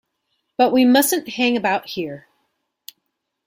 But we mustn't hang about here.